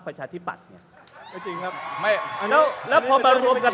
คุณจิลายุเขาบอกว่ามันควรทำงานร่วมกัน